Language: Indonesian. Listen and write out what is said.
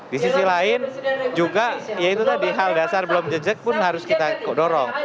di sisi lain juga ya itu tadi hal dasar belum jejek pun harus kita dorong